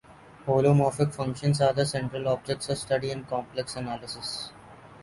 Holomorphic functions are the central objects of study in complex analysis.